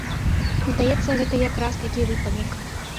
Здаецца, гэта як раз такі выпадак.